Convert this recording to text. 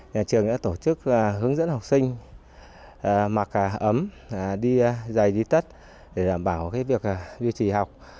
nhà trường đã tổ chức hướng dẫn học sinh mặc ấm đi dày đi tất để đảm bảo việc duy trì học